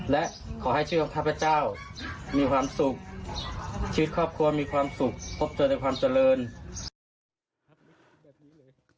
และขอให้เชื่อว่าข้าพเจ้ามีความสุขชีวิตครอบครัวมีความสุขพบเจอในความเจริญ